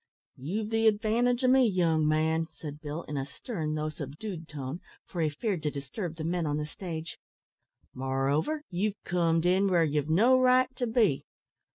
"You've the advantage o' me, young man," said Bill, in a stern, though subdued tone, for he feared to disturb the men on the stage; "moreover, you've comed in where ye've got no right to be.